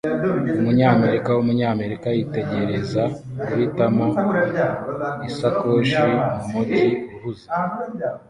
Umunyamerika wumunyamerika yitegereza guhitamo isakoshi mumujyi uhuze